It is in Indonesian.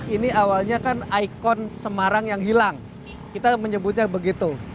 ini awalnya kan ikon semarang yang hilang kita menyebutnya begitu